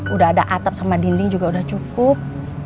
udah ada atap sama dinding juga udah cukup